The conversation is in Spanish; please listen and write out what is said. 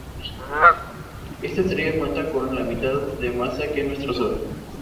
Esta estrella cuenta con la mitad de masa que nuestro Sol.